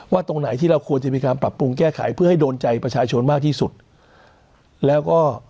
ตรงไหนที่เราควรจะมีการปรับปรุงแก้ไขเพื่อให้โดนใจประชาชนมากที่สุดแล้วก็